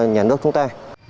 nhà nước chúng ta